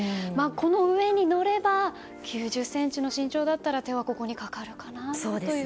この上に乗れば９０ｃｍの身長だったら手はここにかかるかなと感じます。